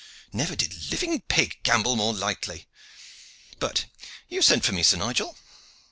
Never did living pig gambol more lightly. But you have sent for me, Sir Nigel?"